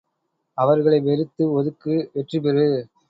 அவர்களை வெறுத்து ஒதுக்கு வெற்றிபெறு!